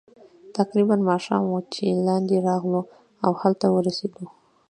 تقریباً ماښام وو چې لاندې راغلو، او هلته ورسېدو.